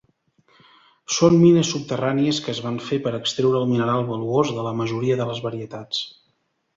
Són mines subterrànies que es van fer per extreure el mineral valuós de la majora de les varietats.